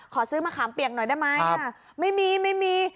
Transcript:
ซื้อมะขามเปียกหน่อยได้ไหมไม่มีไม่มี